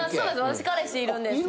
私彼氏いるんですけど。